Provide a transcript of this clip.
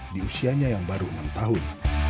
di usianya yang baru enam tahun